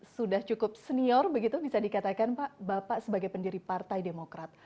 sudah cukup senior begitu bisa dikatakan pak bapak sebagai pendiri partai demokrat